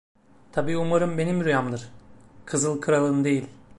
Tabii umarım benim rüyamdır, Kızıl Kral'ın değil!